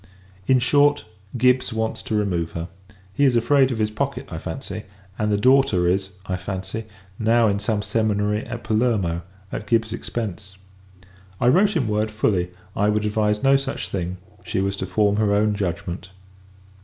In short, Gibbs wants to remove her. He is afraid of his pocket, I fancy; and the daughter is, I fancy, now in some seminary at Palermo, at Gibbs's expence. I wrote him word, fully, I would advise no such thing; she was to form her own judgment.